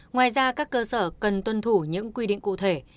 ngoài ra các cơ sở cần tuân thủ những quy định cụ thể